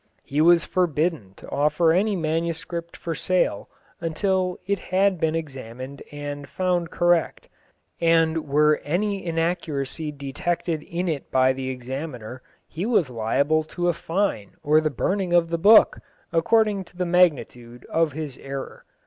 He was forbidden to offer any transcript for sale until it had been examined and found correct; and were any inaccuracy detected in it by the examiner, he was liable to a fine or the burning of the book, according to the magnitude of his error.